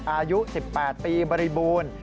อายุ๑๘ปีบริบูรณ์